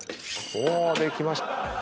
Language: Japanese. おできました。